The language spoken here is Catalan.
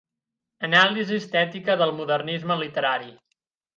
Anàlisi estètica del Modernisme literari.